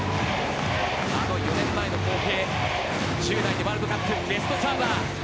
４年前の光景１０代でワールドカップのベストサーバー。